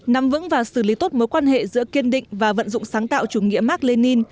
nắm vững và xử lý tốt mối quan hệ giữa kiên định và vận dụng sáng tạo chủ nghĩa mark lenin